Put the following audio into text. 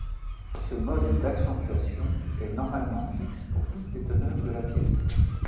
Ce mode d'accentuation est normalement fixe pour toutes les teneurs de la pièce.